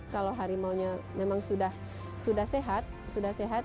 kalau harimaunya memang sudah sehat